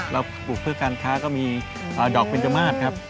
ปลูกเพื่อการค้าก็มีดอกเบนจมาสครับ